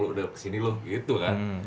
udah kesini loh gitu kan